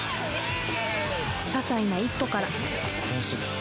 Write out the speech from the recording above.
ささいな一歩から